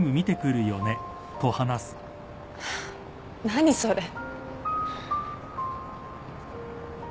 何それ。